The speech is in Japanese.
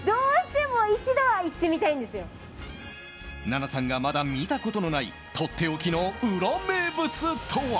奈々さんがまだ見たことのないとっておきのウラ名物とは？